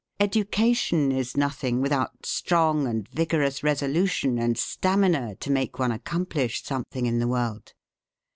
Education is nothing without strong and vigorous resolution and stamina to make one accomplish something in the world.